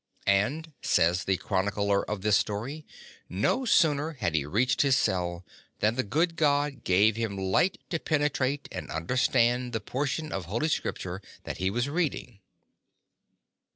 And, says the chroni cler of this story, no sooner had he reached his cell than the good God gave him light to penetrate and understand the portion of Holy Scripture that he was reading.